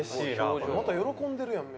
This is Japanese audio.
また喜んでるやん。